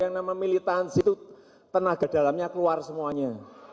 yang namanya militansi itu tenaga dalamnya keluar semuanya